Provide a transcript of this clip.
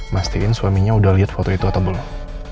mastiin suaminya udah liat foto itu atau belum